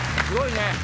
すごいね。